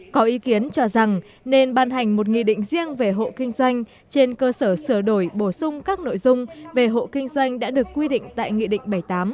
có ý kiến cho rằng nên ban hành một nghị định riêng về hộ kinh doanh trên cơ sở sửa đổi bổ sung các nội dung về hộ kinh doanh đã được quy định tại nghị định bảy mươi tám